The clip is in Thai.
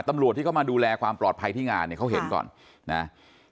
ตำรวจที่เขามาดูแลความปลอดภัยที่งานเนี่ยเขาเห็นก่อนนะ